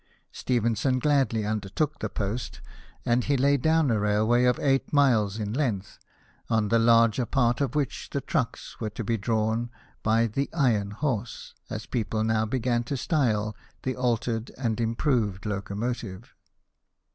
Stephenson gladly undertook the post ; and he laid down a railway of eight miles in length, on the larger part of which the trucks were to be drawn by " the iron horse," as people now GEORGE STEPHENSON, ENGINE MAN. 49 began to style the altered and improved locomo tive.